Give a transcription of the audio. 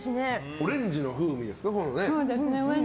オレンジの風味ですか。